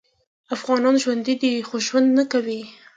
افغانان ژوندي دې خو ژوند نکوي